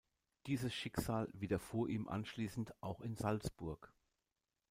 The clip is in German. Dieses Schicksal widerfuhr ihm anschließend auch in Salzburg.